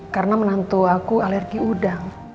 karena menantu aku alergi udang